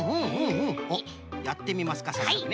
おっやってみますかさっそくね。